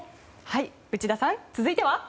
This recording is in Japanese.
内田さん、続いては？